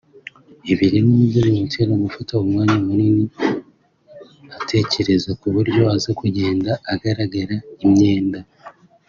ibi rero ni byo bimutera gufata umwanya munini atekereza ku buryo aza kugenda agaragara (imyenda